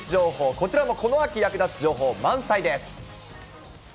こちらもこの秋役立つ情報満載です。